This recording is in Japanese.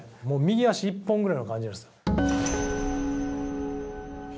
もう右足一本ぐらいの感じです。